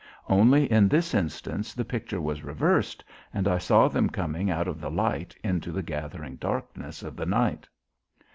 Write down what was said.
Only in this instance the picture was reversed and I saw them coming out of the light into the gathering darkness of the night.